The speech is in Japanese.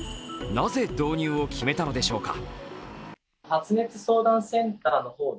なぜ導入を決めたのでしょうか。